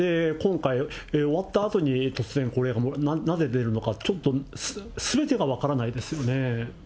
今回、終わったあとに突然これ、なぜ出るのか、ちょっと、すべてが分からないですよね。